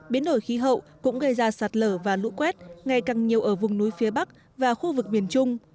biến đổi khí hậu cũng gây ra sạt lở và lũ quét ngày càng nhiều ở vùng núi phía bắc và khu vực miền trung